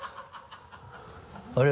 あれ？